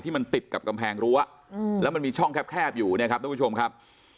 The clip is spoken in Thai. มันติดกับกำแพงรั้วแล้วมันมีช่องแคบอยู่เนี่ยครับทุกผู้ชมครับ